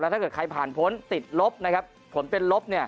แล้วถ้าเกิดใครผ่านพ้นติดลบนะครับผลเป็นลบ